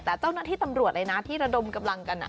แต่เจ้าหน้าที่ตำรวจเลยนะที่ระดมกำลังกัน